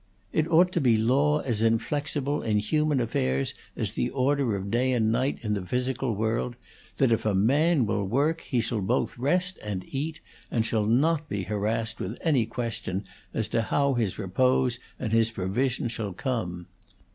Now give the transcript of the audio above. It ought to be law as inflexible in human affairs as the order of day and night in the physical world that if a man will work he shall both rest and eat, and shall not be harassed with any question as to how his repose and his provision shall come.